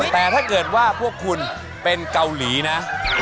แต่ถ้าเกิดว่าพวกคุณเป็นเกาหลีนะ